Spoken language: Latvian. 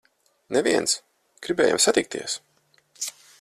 Neviens! Gribējām satikties!